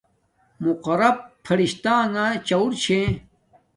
مقرب فرشتݳݣݳ چَݸُر چھݺ.